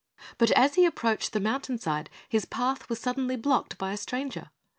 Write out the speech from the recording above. But as he approached the mountain side his path was suddenly blocked by a stranger.